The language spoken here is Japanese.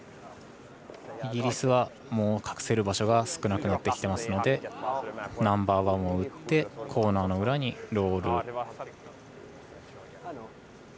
イギリスはもう隠せる場所が少なくなってきていますのでナンバーワンを打ってコーナーの裏にロール。